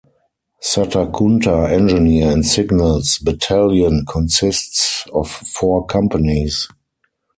Satakunta Engineer and Signals Battalion consists of four companies.